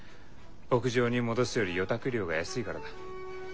牧場に戻すより預託料が安いからだ。